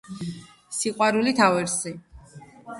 სიყვარულით ავერსი